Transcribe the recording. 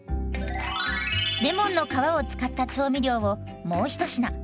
レモンの皮を使った調味料をもう一品。